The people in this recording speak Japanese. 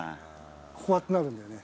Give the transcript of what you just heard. こうやってなるんだよね。